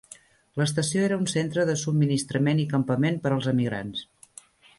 L'estació era un centre de subministrament i campament per als emigrants.